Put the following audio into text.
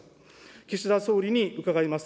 岸田総理に伺います。